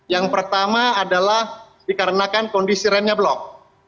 yang pertama adalah dikarenakan kondisi remnya blok